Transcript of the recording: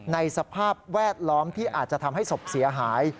สภาพแวดล้อมที่อาจจะทำให้ศพเสียหาย